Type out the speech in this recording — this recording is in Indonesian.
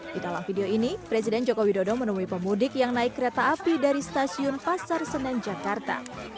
di dalam video ini presiden joko widodo menemui pemudik yang naik kereta api dari stasiun pasar senen jakarta